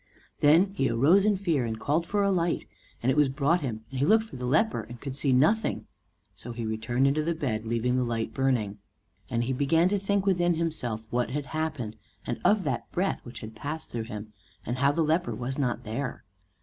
Then he arose in fear, and called for a light, and it was brought him; and he looked for the leper and could see nothing; so he returned into the bed, leaving the light burning. And he began to think within himself what had happened, and of that breath which had passed through him, and how the leper was not there.